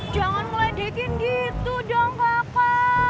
jangan meledekin gitu dong bapak